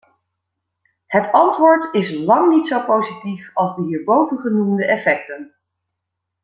Het antwoord is lang niet zo positief als de hierboven genoemde effecten.